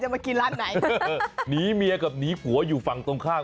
มีเมียกับหนีหัวอยู่ฝั่งตรงข้าง